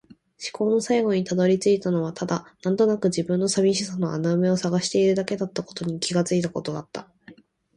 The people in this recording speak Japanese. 思考の最後に辿り着いたのはただ、なんとなくの自分の寂しさの穴埋めを探しているだけだったことに気がついたことだった。